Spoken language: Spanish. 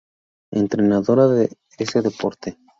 Entrenadora de ese deporte.